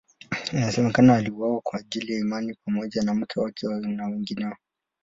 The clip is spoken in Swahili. Inasemekana aliuawa kwa ajili ya imani pamoja na mke wake na wengineo.